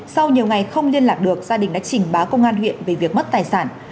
sau nhiều ngày không liên lạc được gia đình đã trình báo công an huyện về việc mất tài sản